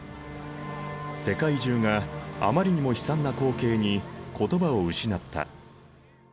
世界中があまりにも悲惨な光景に言葉を失った。